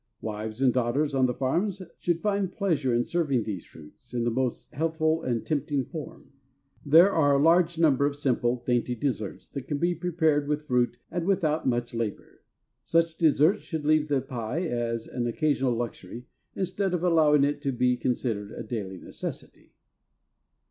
Wives and daughters on the farms should find pleasure in serving these fruits in the most healthful and tempting form. There are a large number of simple, dainty desserts that can be prepared with fruit and without much labor. Such desserts should leave the pie as an occasional luxury instead of allowing it to be considered a daily necessity.